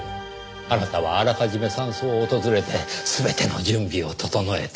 あなたはあらかじめ山荘を訪れて全ての準備を整えた。